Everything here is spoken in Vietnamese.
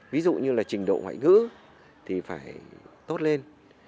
ví dụ như là trình độ ngoại ngữ thì phải tốt lên